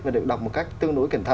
và được đọc một cách tương đối cẩn thận